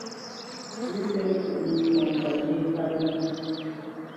Pʉ̌ tǝ́ cúnǝ́ ŋkɔŋ pa mbîŋkâp nâ.